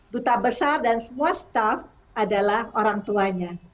duta besar dan semua staff adalah orang tuanya